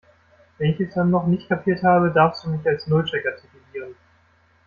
Wenn ich es dann noch nicht kapiert habe, darfst du mich als Nullchecker titulieren.